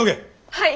はい。